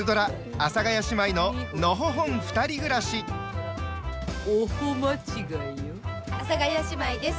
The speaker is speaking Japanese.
阿佐ヶ谷姉妹です。